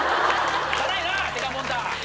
汚いなテカモンタ。